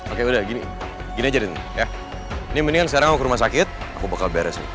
oke udah gini gini aja deh tante ya ini mendingan sekarang kamu ke rumah sakit aku bakal beresin